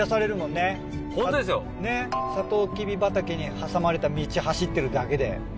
ねっサトウキビ畑に挟まれた道走ってるだけで。